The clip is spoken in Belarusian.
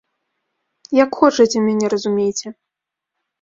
Як хочаце мяне разумейце.